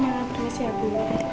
makasih ya bu